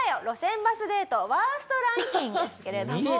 路線バスデートワーストランキングですけれども。